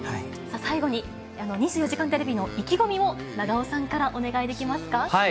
最後に２４時間テレビの意気込みを長尾さんからお願いできますか。